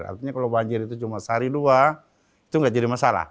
artinya kalau banjir itu cuma sehari dua itu nggak jadi masalah